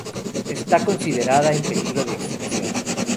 Está considerada en peligro de extinción.